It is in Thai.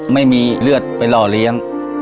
ไม่มีเลือดไปหล่อเลี้ยง